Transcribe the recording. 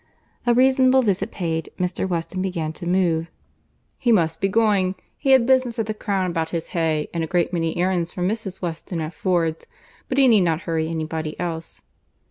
A reasonable visit paid, Mr. Weston began to move.—"He must be going. He had business at the Crown about his hay, and a great many errands for Mrs. Weston at Ford's, but he need not hurry any body else."